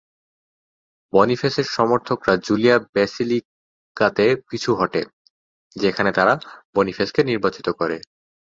বনিফেসের সমর্থকরা জুলিয়া ব্যাসিলিকাতে পিছু হটে, যেখানে তারা বনিফেসকে নির্বাচিত করে।